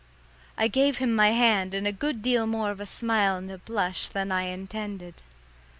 I gave him my hand and a good deal more of a smile and a blush than I intended.